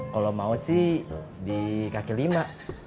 kalau mau sih di kaki lima